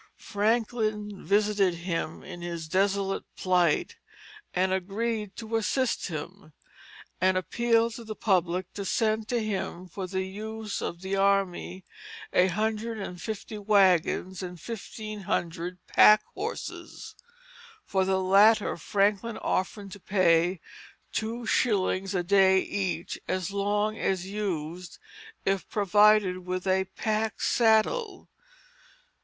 Franklin visited him in his desolate plight and agreed to assist him, and appealed to the public to send to him for the use of the army a hundred and fifty wagons and fifteen hundred pack horses; for the latter Franklin offered to pay two shillings a day each, as long as used, if provided with a pack saddle.